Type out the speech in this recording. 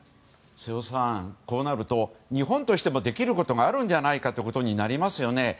瀬尾さん、こうなると日本としてもできることがあるんじゃないかということになりますよね。